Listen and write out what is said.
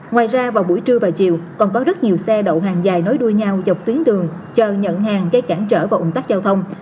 ngoài ra vào buổi trưa và chiều còn có rất nhiều xe đậu hàng dài nối đuôi nhau dọc tuyến đường chờ nhận hàng gây cản trở và ủng tắc giao thông